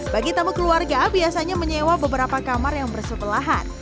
bagi tamu keluarga biasanya menyewa beberapa kamar yang bersebelahan